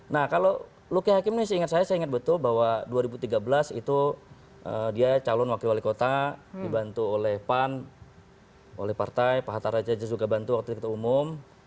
nah kalau luki hakim ini seingat saya saya ingat betul bahwa dua ribu tiga belas itu dia calon wakil wali kota dibantu oleh pan oleh partai pak hatta raja juga bantu waktu itu umum